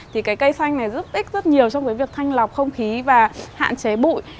thì cái cây xanh này rất ích rất nhiều trong việc thanh lọc không khí và hạn chế bụi